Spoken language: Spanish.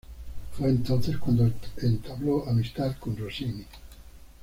Fue entonces cuando entabló amistad con Rossini.